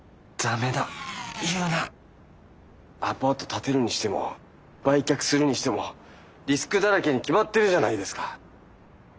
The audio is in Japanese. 建てるにしても売却するにしてもリスクだらけに決まってるじゃないですか。